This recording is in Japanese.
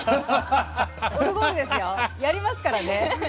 オルゴールですよやりますからね。